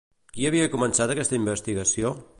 Qui havia començat aquesta investigació?